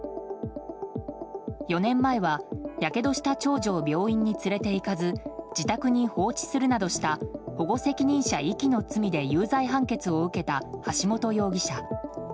４年前は、やけどした長女を病院に連れていかず自宅に放置するなどした保護責任者遺棄の罪で有罪判決を受けた橋本容疑者。